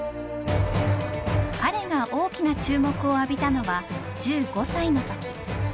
彼が大きな注目を浴びたのは１５歳のとき。